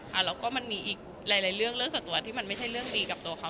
แล้วก็มันมีอีกหลายเรื่องเรื่องส่วนตัวที่มันไม่ใช่เรื่องดีกับตัวเขา